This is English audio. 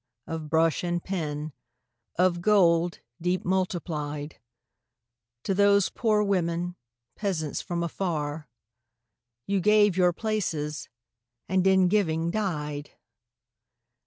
Of brush and pen, of gold deep multiplied, To those poor women, peasants from afar. You gave your places, and in giving died